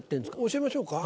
教えましょうか？